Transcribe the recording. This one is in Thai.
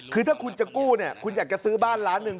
คือถ้าคุณจะกู้เนี่ยคุณอยากจะซื้อบ้านล้านหนึ่ง